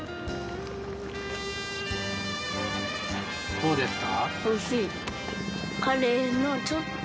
どうですか？